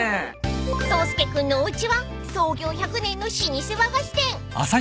［宗介君のおうちは創業１００年の老舗和菓子店］